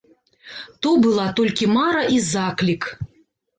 То была толькі мара і заклік.